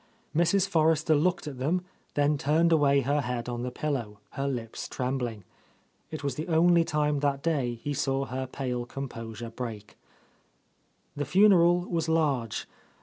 Mrs. Forrester looked at them, then turned away her head on the pillow, her lips trembling. It was the only time that day he saw her pale com posure break. The funeral was large.